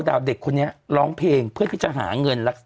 เด็กคนนี้ร้องเพลงเพื่อที่จะหาเงินรักษา